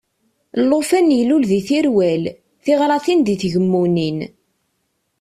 Llufan ilul di Tirwal, tiɣratin di Tgemmunin!